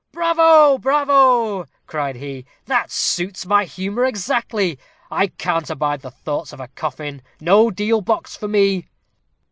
"Bravo, bravo!" cried he; "that suits my humor exactly. I can't abide the thoughts of a coffin. No deal box for me."